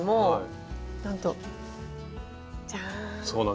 なんとじゃん。